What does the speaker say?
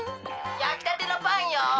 やきたてのパンよ。